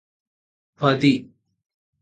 పది